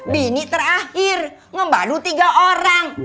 bini terakhir nge madu tiga orang